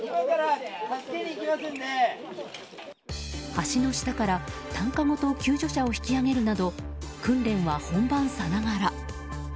橋の下から担架ごと救助者を引き上げるなど訓練は本番さながら。